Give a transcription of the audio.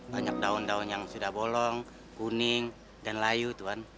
banyak daun daun yang sudah bolong kuning dan layu itu kan